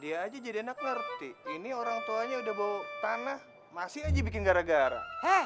iya aja jadi enak ngerti ini orang tuanya udah bawa tanah masih aja bikin gara gara